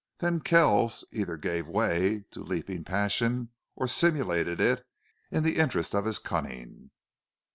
Then Kells either gave way to leaping passion or simulated it in the interest of his cunning.